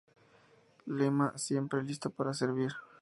Lema: Siempre listo para servir.